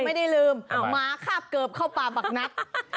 ไม่ได้ลืมหมาคาบเกิบเข้าป่าบักนัด